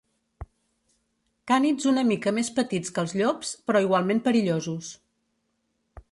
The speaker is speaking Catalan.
Cànids una mica més petits que els llops, però igualment perillosos.